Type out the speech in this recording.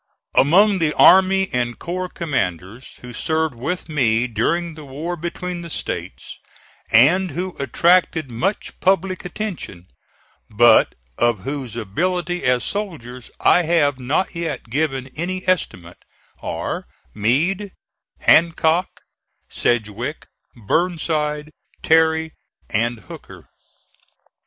Among the army and corps commanders who served with me during the war between the States, and who attracted much public attention, but of whose ability as soldiers I have not yet given any estimate, are Meade, Hancock, Sedgwick, Burnside, Terry and Hooker.